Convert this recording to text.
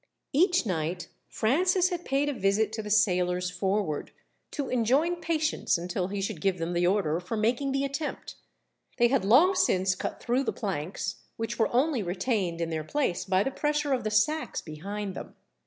Each night Francis had paid a visit to the sailors forward, to enjoin patience until he should give them the order for making the attempt. They had long since cut through the planks, which were only retained in their place by the pressure of the sacks behind them.